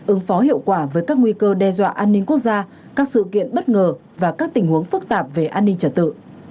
ứng phó hiệu quả với các nguy cơ đe dọa an ninh quốc gia các sự kiện bất ngờ và các tình huống phức tạp về an ninh trật tự